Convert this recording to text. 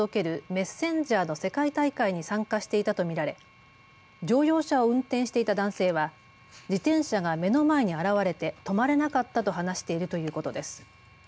メッセンジャーの世界大会に参加していたと見られ乗用車を運転していた男性は自転車が目の前に現れて止まれなかったと話しているということです。